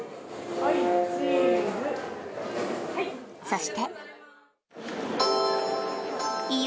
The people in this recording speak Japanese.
そして。